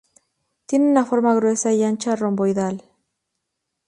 Tiene una forma gruesa y ancha, romboidal.